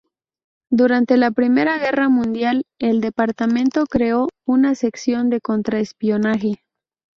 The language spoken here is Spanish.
Durante la Primera Guerra Mundial, el departamento creó una sección de contraespionaje.